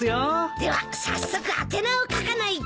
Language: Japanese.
では早速宛名を書かないと。